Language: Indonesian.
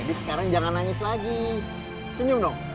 jadi sekarang jangan nangis lagi senyum dong